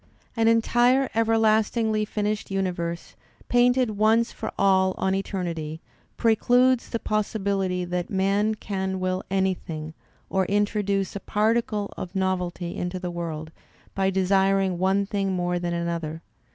An entire everlastingly finished universe, painted once for all on eternity, precludes the possibility that man can will anything or introduce a particle of novelty into the worlds by desiring one thing more than another.